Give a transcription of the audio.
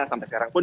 sampai sekarang pun